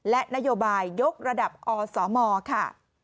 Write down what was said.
และนโยบายยกระดับอสมค่ะ